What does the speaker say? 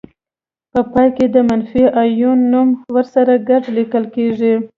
په پای کې د منفي آیون نوم ورسره ګډ لیکل کیږي.